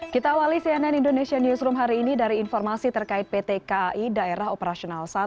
kita awali cnn indonesia newsroom hari ini dari informasi terkait pt kai daerah operasional satu